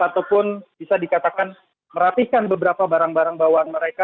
ataupun bisa dikatakan merapikan beberapa barang barang bawaan mereka